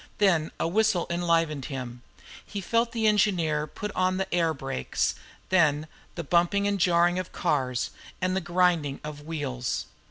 Then a whistle enlivened him. He felt the engineer put on the air brake, then the bumping and jarring of cars, and the grinding of wheels.